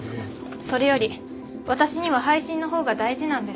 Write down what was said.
それより私には配信のほうが大事なんです。